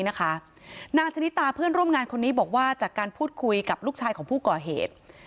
นางชนิตาเพื่อนร่วมงานคนนี้บอกว่าจากการพูดคุยกับลูกชายของผู้ก่อเหตุ